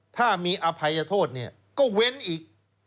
ถ้ามีอภัยโทษเนี่ยก็เว้นอีก